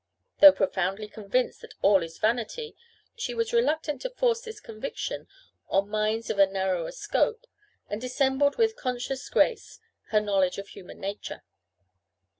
Though profoundly convinced that all is vanity, she was reluctant to force this conviction on minds of a narrower scope, and dissembled with conscious grace her knowledge of human nature.